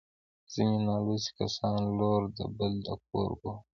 ځیني نالوستي کسان لور د بل د کور بولي